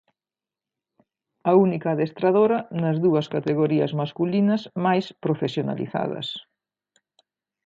A única adestradora nas dúas categorías masculinas máis profesionalizadas.